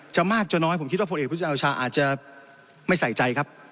มากจะน้อยผมคิดว่าผลเอกประยุจันทร์โอชาอาจจะไม่ใส่ใจครับ